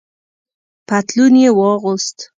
پتلون یې واغوست.